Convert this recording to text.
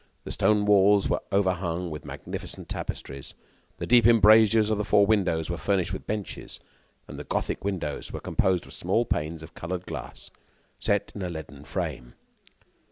The stone walls were overhung with magnificent tapestries. The deep embrasures of the four windows were furnished with benches, and the Gothic windows were composed of small panes of colored glass set in a leaden frame.